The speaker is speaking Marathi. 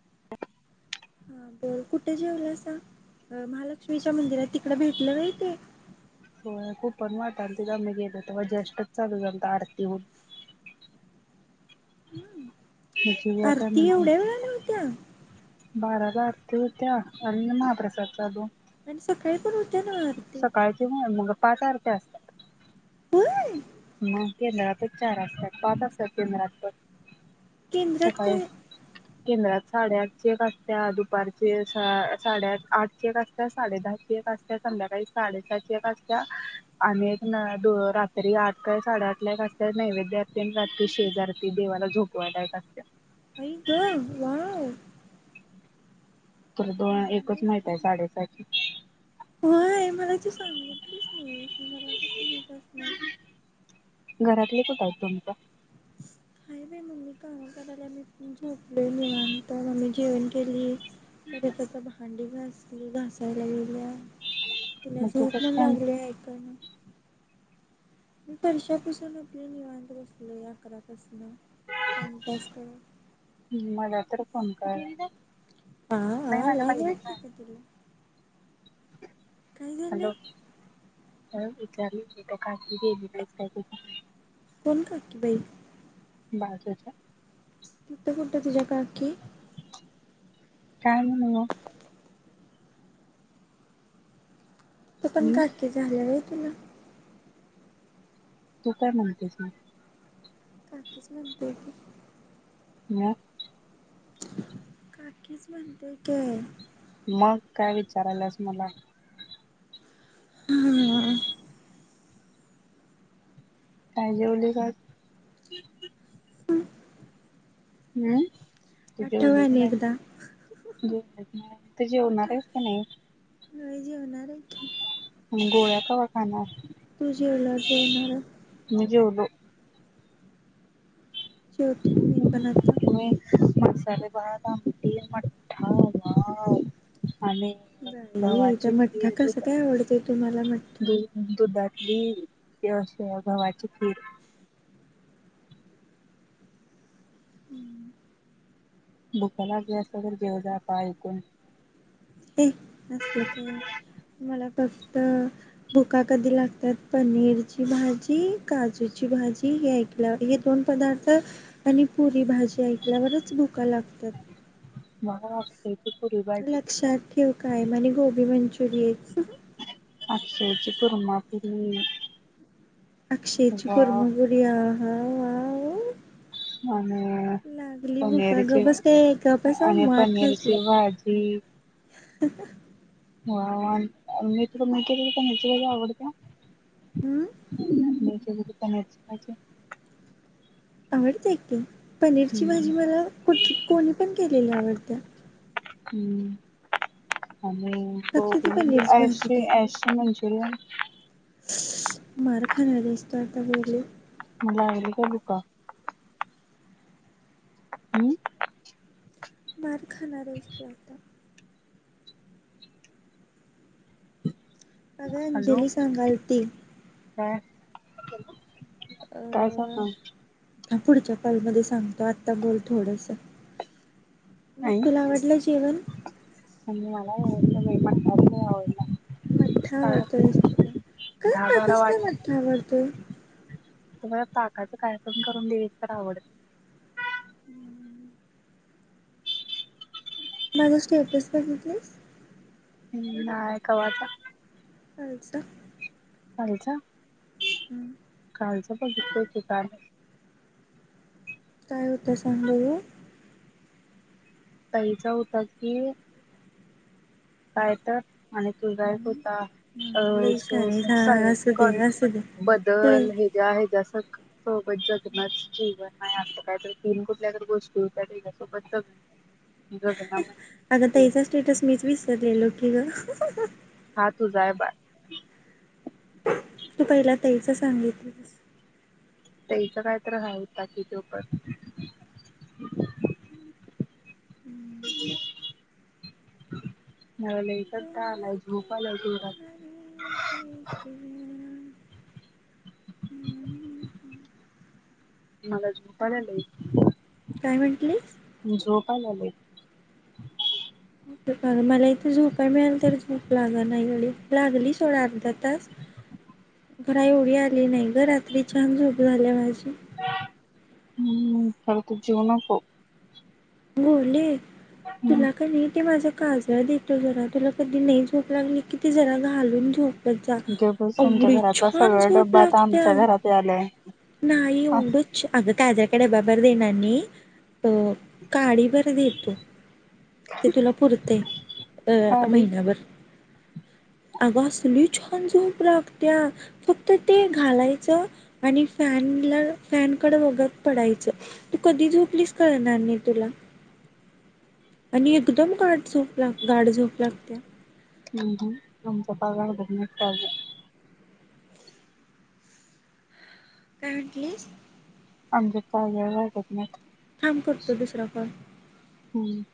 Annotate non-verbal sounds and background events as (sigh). अ (inaudible) हा बर कुठे जेवलासा महालक्ष्मीच्या मंदिरात तिकड भेटलं वय ते तेव्हा जेष्टच चालू झालता आरती हून मग जीव्या आरती एवढ्या वेळान होत्या. बाराचा आत महाप्रसाद पण सकाळी नव्ह आरती? सकाळचीच हाय म मुग. पाच आरत्या असतात. होयं. मग केंद्रातचं चार असतात पाच असत्यात केंद्रात पण केंद्रात सकाळी कायं हायं? केंद्रात साडेआठ ची एक असत्या दुपारचे साडेआठ आठ एक असत्या साडे दहा ची एक असत्या संध्याकाळी साडेसहा ची एक असत्या आणि एक द रात्री आठ सकाळी साडेआठला एक असत्या नैवेद्य आरती आणि रात्री शेजारती देवाला झोपवायला एक असत्या. आई गं वाव! तर दोन एकच माहित आहे साडेसहाची होयं मला ती सांगितलीच नाही मला कसं माहित असणार. कुठंय तुमचं? हाय बाई मम्मी काम करायला मी झोपलोय निवांत. मम्मी जेवण केली. परत आता भांडी घासली घासायला लागल्या. तिला मग तू झोप कस म्हणून काय लागलोय ऐकाना. मी फरशा पूसून आपलं निवांत बसलोय अकरापासून टाइम पास करतं. मला तर फोन कर हा नाही हा माझ्या लाज वाटते बहिणीचा का तुला? कायं झालं? होय विचारली का काकी गेली नाही का कोण काकी बाई बाजूच तिथं कुठं तूझ्या काकी? काय म्हणु तु पण हम्म काकी झाल्या व्हयं. तुला तू काय म्हणतेस मगं काकी चं म्हणतोय की हा काकीच म्हणतोय की मग काय विचारायलास मला हा काय जेवली आज? हम हम्म तू आठव जेवलीच आणि एकदा. नाही जेवत नाहीस आता जेवणारेस की नाही? व्हयं जेवणार आहे की गोळ्या कवा खाणार? तू जेवल्या वर जेवणार आहे. मी जेवलो शेवटी मी पण आता. मी भात आमटी मठा (unintelligible) बाई ते मठ्ठा कस दुध काय आवडतं तुम्हाला मठ्ठा. खीर ते असतं गव्हाची खीर. भुका लागल्या असतील तर जेव जा (unintelligible) हे असलं काय मला फक्त भुका कधी लागतात पनीरची भाजी काजूची भाजी हे ऐकल्यावर हे दोन पदार्थ आणि पुरी भाजी ऐकल्यावरच भुका लागतात. (unintelligible) त लक्षात ठेव काय म्हणे गोबी मंचु रिल्स अक्षय. ची कुर्मा पुरी. अक्षयची कुर्मा पुरी आ हा वाव आणि लागली भूका पनीरची गबसा के गबस आणि मार खाशील. पनीरची भाजी अ ह (unintelligible) आवडत ह. हम्म आवडते पनीर ची भाजी. अवडते कि. पनीरची हम्म भाजी मला कुठ कोणी पण केलेली आवडते. हम्म. आणि फक्त ती गणजे पनीरची ए भाजी सी पाहिजे एस सी म्हणजे ग मार खाणार आहेस तू आता वेगळे लायब्ररी चा बुका. हम्म. मार खाणार आहेस तू आता. अगं हॅलो अंजली सांगाल ती. अ (unintelligible) काय सांगा. हा पुढच्या काॉलमध्ये सांगतो आता बोल थोडस मग नाही तुला आवडलं जेवण नाही (unintelligible) मठ्ठा आवडत जास्त दहा कास बारा कसकाय मठ्ठा आवडतय. तू मला ताकाचे काय पण करून दिलीस तर आवडते. माझा स्टेटस बघ प्लीज हम् नाय कवातर अच्छा. कालचा? हम्म. कालच बघित ठिकण. काय होतं सां बयो. ताईंचा होता की काय तर आणि तुझा हम्म होता (unintelligible) लई छान आहेस अ हा असू दे असू दे. लई बदल हे ज्या हे ज्या अस. सोबत जगनच जीवन नाही असतं कायत तीन कुठल्यारी गोष्टी हो त्या त सोबत जगन. अग ताईचा स्टेटस मीच विसरले. गेलेलो की ग. हा तू जाय बाळ. तू पहिला ताईच सांगितलीस. ताईच कायतरी हाय, कि होता तो पण. मला लई कंटाळा आलाय झोप आलीया जोरात. मला झोप आल्या लई. काय म्हंटलीस. हले (inaudible) मला इथे झोपाय मिळालं तर झोप लागना ना (unintelligible) लागली सोड अर्धा तास खरं एवढी आली नाही ग रात्री छान झोप झाल्या माझी. हम्म ह कु जीव नको. बोली. तुला कणी ते माझ्या काजळ देतो जरा तुला कधी नाही झोप लागली की ते जरा घालून झोप. घे बस तुमच्या एवढी घरातला छान सगळा झोप डब्बा आता लागत्या आमच्या घरात यायलाय नाही एवढंच अग काजळ डब्बा भर देणार नाही, हो. कढीभर देतो. ते तुला पुरतें अ साडी महिन्याभर. अगं असलि छान झोप लागत्या फक्त ते घालायचं आणि फॅनला फॅनकडे वगत पडायचं तू कधी झोपलीस कळणार नाही तुला. आणि एकदम गाड झोप ला गाड झोप लागत्या. हम्म (unintelligible) काय म्हटलीस. आमच्यात काजळ घालत नाहीत‌. थाम करतो दुसरा कॉल. हम्म.